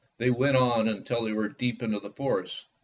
They went on until they were deep in the forest.